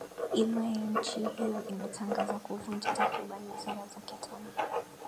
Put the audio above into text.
imae nchi hiyo imetangaza kuvunja takriban wizara zake tano